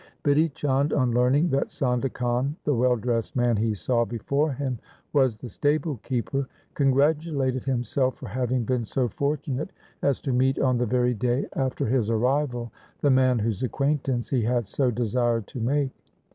Bidhi Chand, on learning that Sondha Khan, the well dressed man he saw before him, was the stable keeper, congratulated himself for having been so fortunate as to meet on the very day after his arrival the man whose acquaintance he had so desired to make.